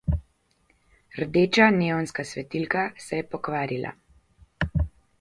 Rdeča neonska svetilka se je pokvarila.